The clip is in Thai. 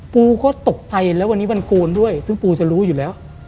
ปูก็ตกใจแล้ววันนี้วันโกนด้วยซึ่งปูจะรู้อยู่แล้ว